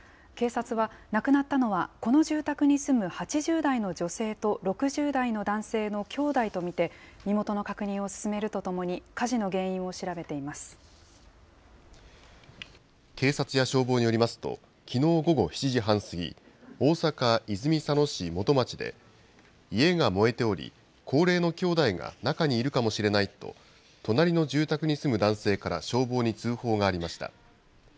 警察は亡くなったのは、この住宅に住む８０代の女性と６０代の男性のきょうだいと見て、身元の確認を進めるとともに、火事の原因警察や消防によりますと、きのう午後７時半過ぎ、大阪・泉佐野市元町で、家が燃えており、高齢のきょうだいが中にいるかもしれないと、隣の住宅に住む男性から消防に通報がありました。